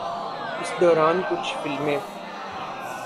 اس دوران کچھ فلمیں